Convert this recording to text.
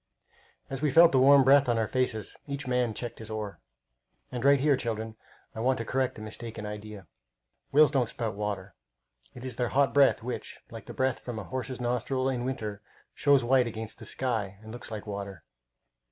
As we felt the warm breath on our faces, each man checked his oar. And right here, children, I want to correct a mistaken idea. Whales don't spout water. It is their hot breath which, like the breath from a horse's nostrils in winter, shows white against the sky and looks like water.